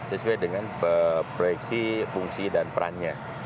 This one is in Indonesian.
sesuai dengan proyeksi fungsi dan perannya